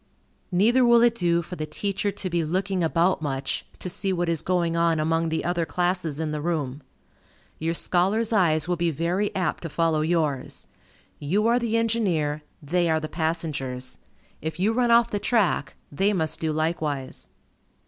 Neither will it do for the teacher to be looking about much, to see what is going on among the other classes in the room. Your scholars' eyes will be very apt to follow yours. You are the engineer, they are the passengers. If you run off the track, they must do likewise.